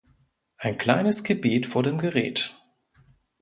Ein kleines Gebet vor dem Gerät.